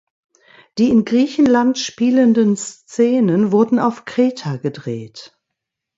Die in Griechenland spielenden Szenen wurden auf Kreta gedreht.